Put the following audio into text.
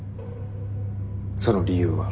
その理由は。